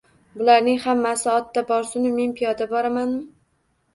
Bularning hammasi otda borsin-u, men piyoda boramanmi